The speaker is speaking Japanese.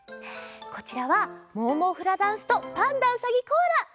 こちらは「モウモウフラダンス」と「パンダうさぎコアラ」！